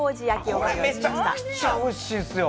これ、めちゃくちゃおいしいんですよ。